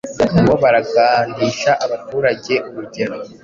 ngo baragandisha abaturageUrugero